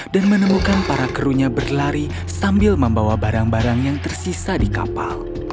dan menemukan para krunya berlari sambil membawa barang barang yang tersisa di kapal